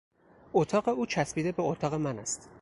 اتاق او چسبیده به اتاق من است.